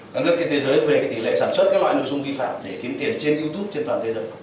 các nước trên thế giới về tỷ lệ sản xuất các loại nội dung vi phạm để kiếm tiền trên youtube trên toàn thế giới